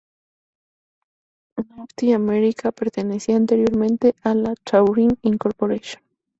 Naughty America pertenecía anteriormente a "La Touraine, Inc.